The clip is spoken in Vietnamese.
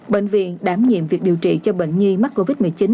bệnh viện đảm nhiệm việc điều trị cho bệnh nhi mắc covid một mươi chín